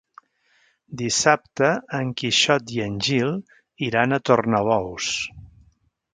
Dissabte en Quixot i en Gil iran a Tornabous.